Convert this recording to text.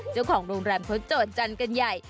เจ้าของโรงแรมเขาโจทย์กันใหญ่